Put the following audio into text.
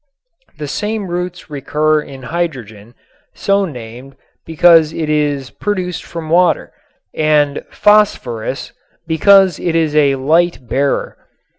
The same roots recur in hydrogen, so named because it is "produced from water," and phosphorus, because it is a "light bearer."